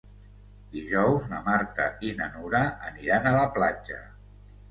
Dijous na Marta i na Nura aniran a la platja.